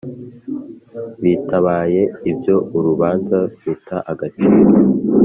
bitabaye ibyo urubanza ruta agaciro